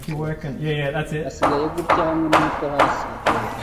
asigaye gutya hamwe n'umutwe hasi